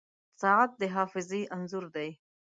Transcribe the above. • ساعت د حافظې انځور دی.